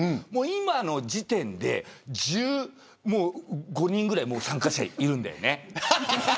今の時点で、もう１５人ぐらい参加者いるんだよね。